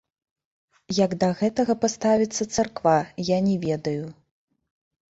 Як да гэтага паставіцца царква, я не ведаю.